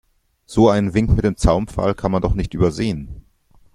So einen Wink mit dem Zaunpfahl kann man doch nicht übersehen.